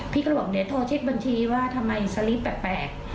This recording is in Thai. พี่ก็เลยบอกเดี๋ยวโทรเช็คบัญชีว่าทำไมสลิปแปลก